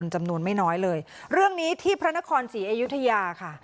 จำนวนไม่น้อยเลยเรื่องนี้ที่พระนครศรีอยุธยาค่ะ